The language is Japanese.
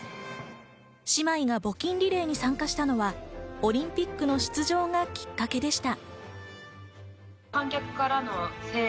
姉妹が募金リレーに参加したのはオリンピックの出場がきっかけでした。